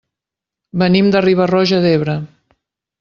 Venim de Riba-roja d'Ebre.